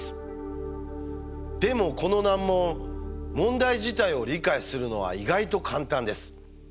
でもこの難問問題自体を理解するのは意外と簡単です。